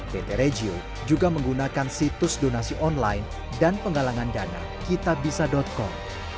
pt regio juga menggunakan situs donasi online dan penggalangan dana kitabisa com